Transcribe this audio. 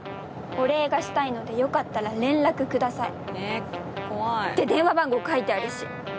「お礼がしたいのでよかったら連絡ください」って電話番号書いてあるし。